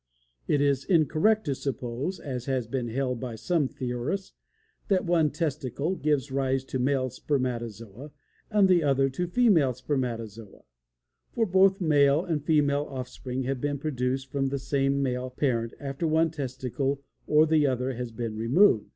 "It is incorrect to suppose, as has been held by some theorists, that one testicle give rise to male spermatozoa and the other to female spermatozoa, for both male and female offspring have been produced from the same male parent after one testicle or the other has been removed.